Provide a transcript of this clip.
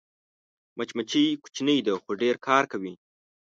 مچمچۍ کوچنۍ ده خو ډېر کار کوي